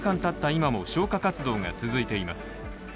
今も消火活動が続いています。